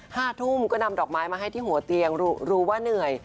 ห้าทุ่มก็นำดอกไม้มาให้ที่หัวเตียงรู้ว่าเหนื่อย